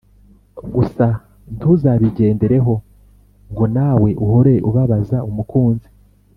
gusa ntuzabigendereho ngo nawe uhore ubabaza umukunzi,